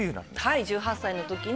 はい１８歳の時に。